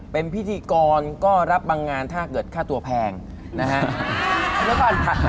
เป็นพิธีกรก็รับบางงานถ้าเกิดค่าตัวแพงนะฮะ